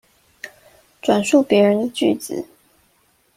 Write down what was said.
轉述別人的句子